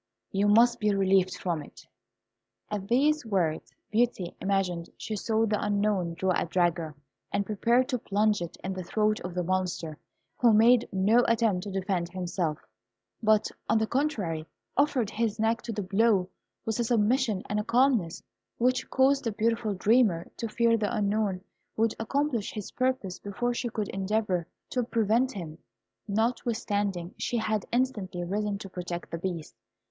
You must be relieved from it!" At these words Beauty imagined she saw the Unknown draw a dagger, and prepare to plunge it in the throat of the Monster, who made no attempt to defend himself, but, on the contrary, offered his neck to the blow with a submission and a calmness which caused the beautiful dreamer to fear the Unknown would accomplish his purpose before she could endeavour to prevent him, notwithstanding she had instantly risen to protect the Beast.